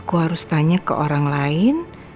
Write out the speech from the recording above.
aku harus tanya ke orang lain